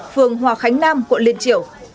phường hòa khánh nam quận liên triểu